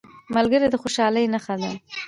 ملګری د خوشحالۍ نښه ده